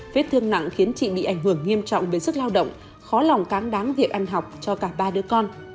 vết thương nặng khiến chị bị ảnh hưởng nghiêm trọng đến sức lao động khó lòng cán đáng việc ăn học cho cả ba đứa con